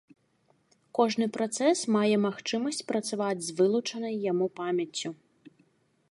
Кожны працэс мае магчымасць працаваць з вылучанай яму памяццю.